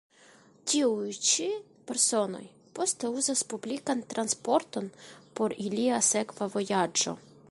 Tiuj ĉi personoj poste uzas publikan transporton por ilia sekva vojaĝo.